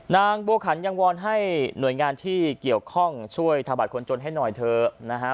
นางบัวขันยังวอนให้หน่วยงานที่เกี่ยวข้องช่วยธบัตรคนจนให้หน่อยเถอะนะฮะ